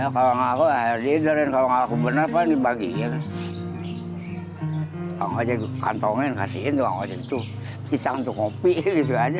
kalau nggak aku bener bener bagi kantongan kasih itu pisang untuk kopi itu aja